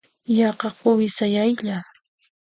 Yaqa quwi sayaylla.